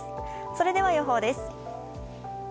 それでは予報です。